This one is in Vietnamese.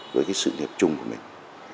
với cái sự nghiệp chung của mình